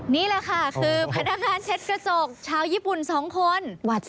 นี่แหละค่ะคือพนักงานเช็ดกระจกชาวญี่ปุ่น๒คน